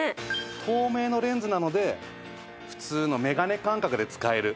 透明のレンズなので普通のメガネ感覚で使える。